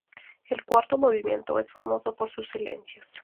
El cuarto movimiento es famoso por sus silencios.